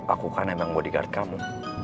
aku kan emang bodyguard kamu